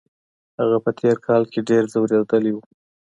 هغه په تېر کال کي ډېر ځورېدلی و.